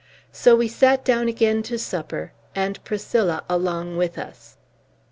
So we sat down again to supper, and Priscilla along with us. V.